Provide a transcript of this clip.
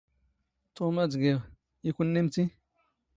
ⵜⵓⵎ ⴰⴷ ⴳⵉⵖ, ⵉ ⴽⵓⵏⵏⵉⵎⵜⵉ?